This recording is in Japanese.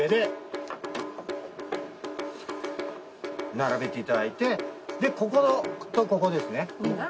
並べていただいてでこことここですね。